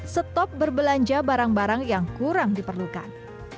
stop berbelanja barang barang yang kurang diperlukan